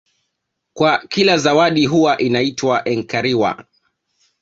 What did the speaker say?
Kwa kila zawadi huwa inaitwa enkariwa